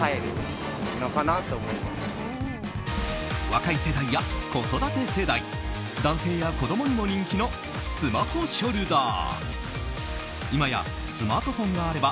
若い世代や子育て世代男性や子供にも人気のスマホショルダー。